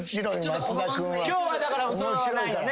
今日はだから嘘はないよね？